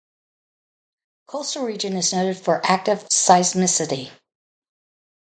The coastal region is noted for active seismicity.